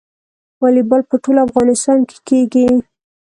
والیبال په ټول افغانستان کې کیږي.